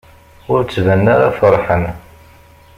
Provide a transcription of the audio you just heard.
Ur ttbanen ara feṛḥen.